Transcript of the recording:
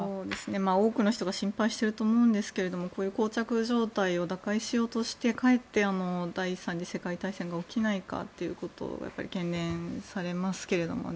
多くの人が心配していると思うんですがこういうこう着状態を打開しようとしてかえって第３次世界大戦が起きないかということが懸念されますけどもね。